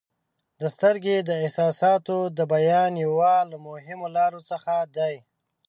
• سترګې د احساساتو د بیان یوه له مهمو لارو څخه دي.